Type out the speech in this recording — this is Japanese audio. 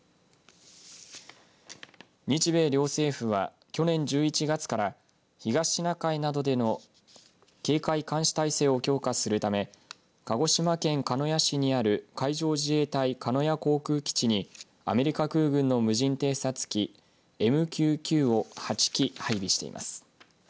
日米両政府は去年１１月から東シナ海などでの警戒監視体制を強化するため鹿児島県鹿屋市にある海上自衛隊鹿屋航空基地にアメリカ空軍の無人偵察機ＭＱ９を８機配備しています。